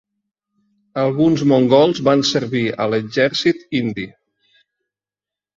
Alguns mongols van servir a l'exèrcit indi.